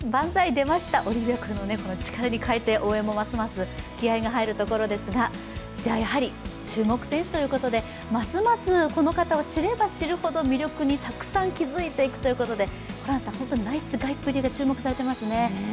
出ましたオリビア君の応援も力に変えて応援もますます気合いが入るところですが、やはり注目選手ということでますますこの方を知れば知るほど魅力にたくさん気付いていくということでホランさん、ナイスガイっぷりが注目されていますよね。